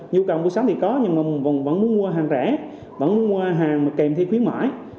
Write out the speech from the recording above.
nhu cầu buổi sáng thì có nhưng mà vẫn muốn mua hàng rẻ vẫn muốn mua hàng kèm thêm khuyến mại